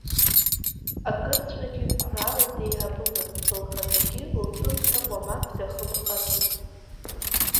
Акырҵәҟьагьы қәрала диеиҳабымызт, лхаҭагьы лҭәымҭа уамак дахымҳәҳәацызт.